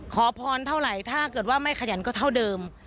ขอพรเท่าไหร่ถ้าเกิดว่าไม่ขยันก็เท่าเดิม